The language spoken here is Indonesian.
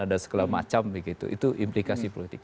ada segala macam begitu itu implikasi politik